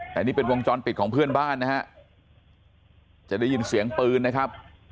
แต่นี่เป็นวงจรปิดของเพื่อนบ้านนะฮะจะได้ยินเสียงปืนนะครับ